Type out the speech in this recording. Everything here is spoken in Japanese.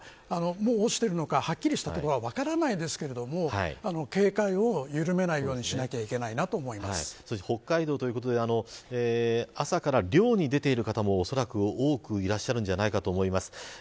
落ちているのかはっきりしたところが分からないですけど警戒を緩めないようにしなければいけないなと北海道ということで朝から漁に出ている方もおそらく多くいると思います。